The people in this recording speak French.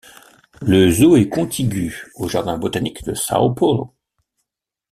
Le zoo est contigu au jardin botanique de São Paulo.